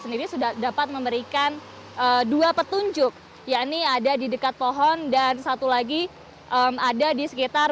sendiri sudah dapat memberikan dua petunjuk yakni ada di dekat pohon dan satu lagi ada di sekitar